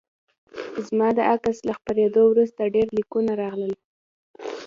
زما د عکس له خپریدو وروسته ډیر لیکونه راغلل